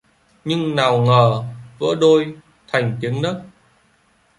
Nhưng nào ngờ... vỡ đôi... thành tiếng nấc